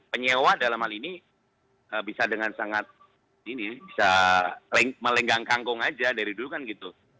penyewa dalam hal ini bisa dengan sangat ini ya bisa melenggang kangkung aja dari dulu kan gitu